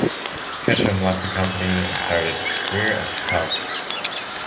Ketchum left the company and started a career as photographer.